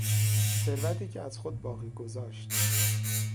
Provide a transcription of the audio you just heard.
ثروتی که از خود باقی گذاشت